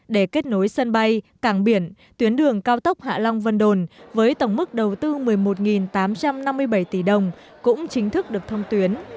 để kết nối sân bay cảng biển tuyến đường cao tốc hạ long vân đồn với tổng mức đầu tư một mươi một tám trăm năm mươi bảy tỷ đồng cũng chính thức được thông tuyến